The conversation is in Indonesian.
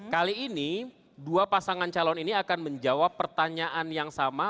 kali ini dua pasangan calon ini akan menjawab pertanyaan yang sama